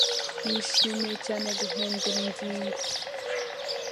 yishimiye cyane guhindura ingingo.